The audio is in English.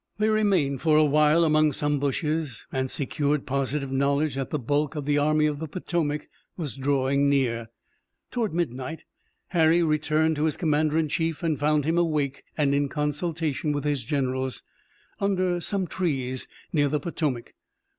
They remained for a while among some bushes, and secured positive knowledge that the bulk of the Army of the Potomac was drawing near. Toward midnight Harry returned to his commander in chief and found him awake and in consultation with his generals, under some trees near the Potomac.